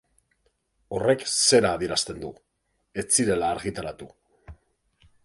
Horrek zera adierazten du: ez zirela argitaratu.